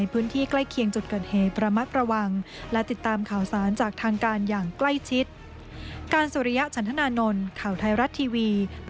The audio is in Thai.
โปรดติดตามตอนต่อไป